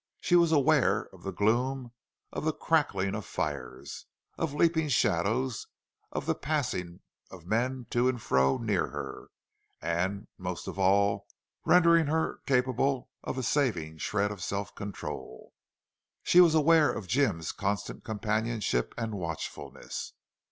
She was aware of the gloom, of the crackling of fires, of leaping shadows, of the passing of men to and fro near her, and, most of all, rendering her capable of a saving shred of self control, she was aware of Jim's constant companionship and watchfulness.